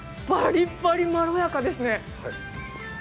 ばりっばりまろやかですね。